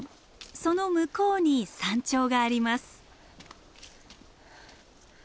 その向こうに山頂があります。